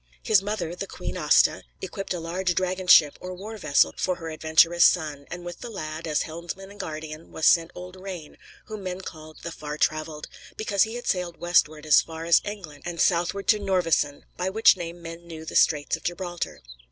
His mother, the Queen Aasta, equipped a large dragon ship or war vessel for her adventurous son, and with the lad, as helmsman and guardian, was sent old Rane, whom men called "the far travelled," because he had sailed westward as far as England and southward to Nörvasund (by which name men then knew the Straits of Gibraltar).